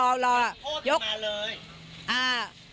โคตรมึงมาเลย